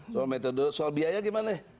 soal metode soal biaya gimana